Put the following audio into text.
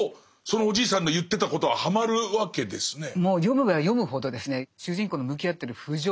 そのおじいさんの言ってたことははまるわけですね。